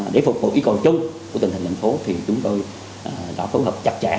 để phục vụ yêu cầu chung của tình hình thành phố thì chúng tôi đã phối hợp chặt chẽ